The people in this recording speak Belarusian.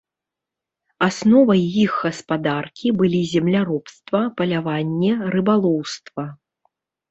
Асновай іх гаспадаркі былі земляробства, паляванне, рыбалоўства.